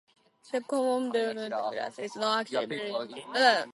The common Bermuda grass is not actually Bermudian, but a Mediterranean import.